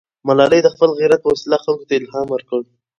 ملالۍ د خپل غیرت په وسیله خلکو ته الهام ورکړ.